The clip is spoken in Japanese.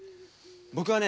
僕はね